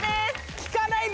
「聞かないで」。